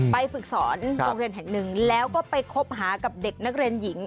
ฝึกสอนโรงเรียนแห่งหนึ่งแล้วก็ไปคบหากับเด็กนักเรียนหญิง